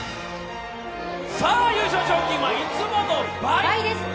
優勝賞金はいつもどおり倍です！